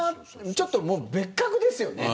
ちょっともう別格ですよね。